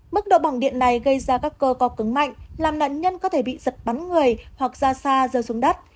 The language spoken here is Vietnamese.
mức độ bỏng điện này gây ra các cơ co cứng mạnh làm nạn nhân có thể bị giật bắn người hoặc ra xa rơi xuống đất